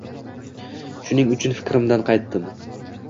Shuning uchun fikrimdan qaytdim.